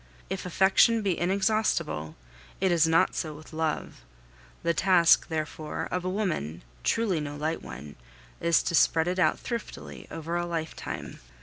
If affection be inexhaustible, it is not so with love: the task, therefore, of a woman truly no light one is to spread it out thriftily over a lifetime.